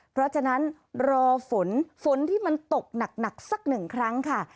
เพราะฉะนั้นรอฝนฝนที่มันตกหนักสักหนึ่งครั้งค่ะ